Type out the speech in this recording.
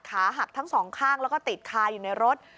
ขาหักทั้งสองข้างแล้วก็ติดคาอยู่ในรถ